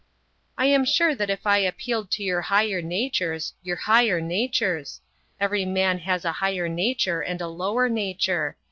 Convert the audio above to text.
"I am sure that if I appealed to your higher natures...your higher natures. Every man has a higher nature and a lower nature.